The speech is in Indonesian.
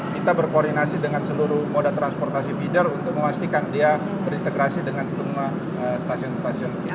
kita berkoordinasi dengan seluruh moda transportasi feeder untuk memastikan dia berintegrasi dengan semua stasiun stasiun